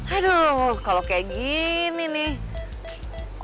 aduh kalau kayak gini nih